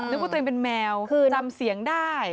นึกว่าตัวเองเป็นแมวคือจำเสียงได้